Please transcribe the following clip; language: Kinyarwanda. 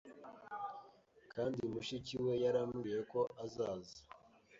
kandi mushiki we yarambwiye ko azaza,